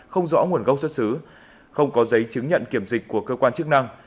không rõ nguồn gốc xuất xứ không có giấy chứng nhận kiểm dịch của cơ quan chức năng